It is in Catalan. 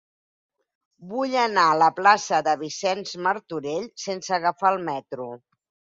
Vull anar a la plaça de Vicenç Martorell sense agafar el metro.